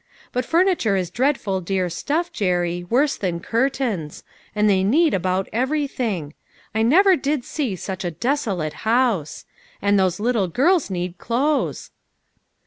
But furniture is dreadful dear stuff, O * Jerry, worse than curtains. And they need about everything. I never did see such a deso late house ! And those little girls need clothes."